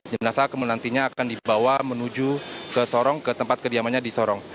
jenazah kemudian nantinya akan dibawa menuju ke sorong ke tempat kediamannya di sorong